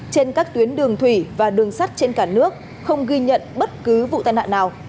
trên các tuyến đường thủy và đường sắt trên cả nước không ghi nhận bất cứ vụ tai nạn nào